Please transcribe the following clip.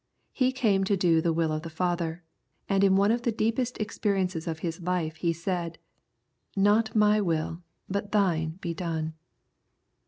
He came to do the will of the Father, and in one of the deepest experiences of His life He said :" Not My will, but Thine be done."